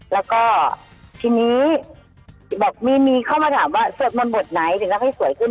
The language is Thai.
แล้วก็ทีนี้บอกมีเข้ามาถามว่าสวดมนต์บทไหนถึงทำให้สวยขึ้น